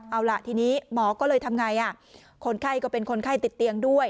เอาล่ะทีนี้หมอก็เลยทำไงคนไข้ก็เป็นคนไข้ติดเตียงด้วย